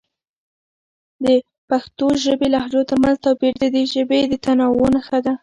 د پښتو ژبې لهجو ترمنځ توپیر د دې ژبې د تنوع نښه ده.